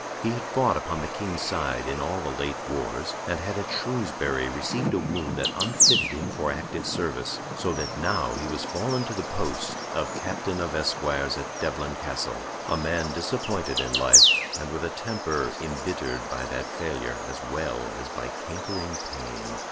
He had fought upon the King's side in all the late wars, and had at Shrewsbury received a wound that unfitted him for active service, so that now he was fallen to the post of Captain of Esquires at Devlen Castle a man disappointed in life, and with a temper imbittered by that failure as well as by cankering pain.